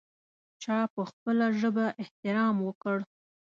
چا په خپله ژبه احترام وکړ.